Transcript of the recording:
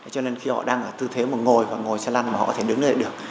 cho nên khi họ đang ở tư thế mà ngồi và ngồi chăn lăn mà họ có thể đứng lại được